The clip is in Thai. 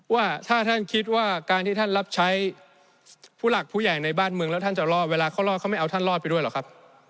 ว่าถ้าท่านคิดว่าการที่ท่านรับใช้ผู้หลักผู้ใหญ่ในบ้านเมืองแล้วท่านจะรอดเวลาเขารอดเขาไม่เอาท่านรอดไปด้วยหรอกครับ